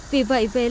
vì vậy về lâu dài